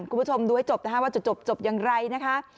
คุณผู้ชมดูให้จบนะคะว่าจะจบอย่างไรนะคะ